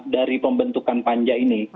dari pembentukan panja ini